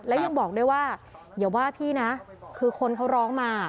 และยังบอกด้วยว่าอย่าว่าพี่นะคือคนเขาร้องมา